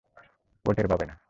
ও টের পাবে না।